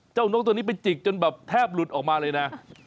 นกตัวนี้ไปจิกจนแบบแทบหลุดออกมาเลยนะ